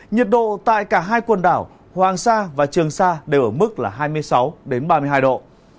nhiệt độ tại cả hai quần đảo hoàng sa và trường sa đều ở mức là hai mươi sáu ba mươi hai độ